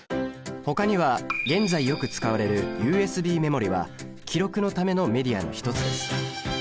ほかには現在よく使われるＵＳＢメモリは「記録のためのメディア」の一つです。